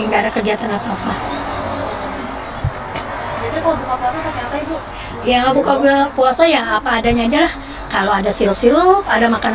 enggak ada kegiatan apa apa ibu ya buka puasa ya apa adanya aja lah kalau ada sirup sirup ada makanan